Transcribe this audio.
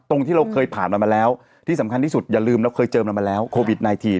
ตรงที่เราเคยผ่านมันมาแล้วที่สำคัญที่สุดอย่าลืมเราเคยเจอมันมาแล้วโควิด๑๙